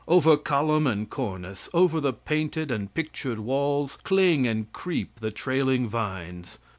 Over column and cornice; over the painted and pictured walls, cling and creep the trailing vines.